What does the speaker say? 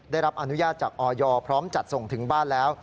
ได้รับอนุญาตจากออยพร้อมจัดส่งถึงบ้านแล้ว